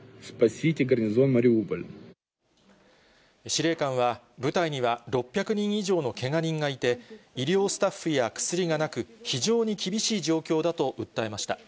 司令官は、部隊には６００人以上のけが人がいて、医療スタッフや薬がなく、非常に厳しい状況だと訴えました。